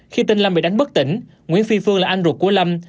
khi tên lâm bị đánh bất tỉnh nguyễn phi phương là anh ruột của lâm